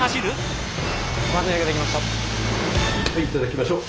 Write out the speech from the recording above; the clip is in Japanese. はいいただきましょう。